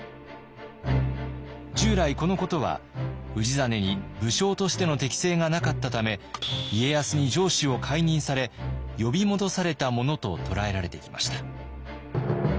従来このことは氏真に武将としての適性がなかったため家康に城主を解任され呼び戻されたものと捉えられてきました。